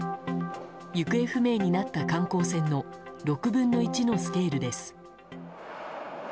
行方不明になった観光船の６分の１のスケールです。